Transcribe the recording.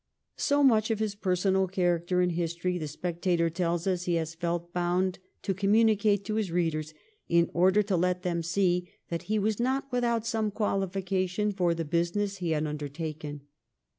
So much of his personal character and history, * The Spectator ' tells us, he has felt bound to communicate to his readers in order to let them see that he was not without some qualification for the business he had undertaken.